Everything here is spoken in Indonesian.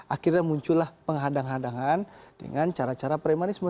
akhirnya muncullah penghadang hadangan dengan cara cara premanisme